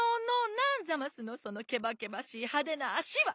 なんざますのそのけばけばしいはでなあしは！